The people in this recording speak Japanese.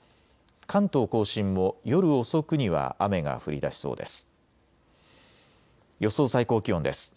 関東甲信も夜遅くには雨が降りだしそうです。